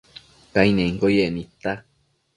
Cainenquio yec nidta